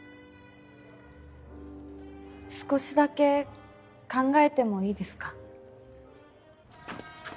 少しだけ考えてもいいですか？